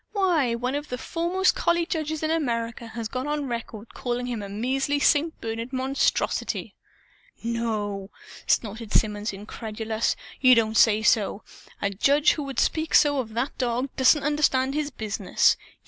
"Why, one of the foremost collie judges in America has gone on record as calling him a 'measly St. Bernard monstrosity.'" "No?" snorted Symonds, incredulous. "You don't say so! A judge who would speak so, of that dog, doesn't understand his business.